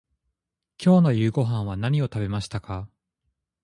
今日の夕ごはんは何を食べましたか。